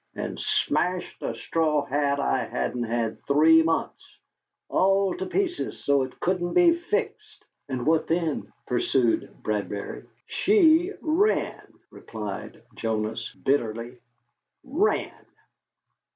"And smashed a straw hat I hadn't had three months! All to pieces! So it couldn't be fixed!" "And what then?" pursued Bradbury. "SHE ran," replied Jonas, bitterly "ran!